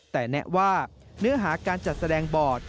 แต่แนะว่าเนื้อหาการจัดแสดงบอร์ด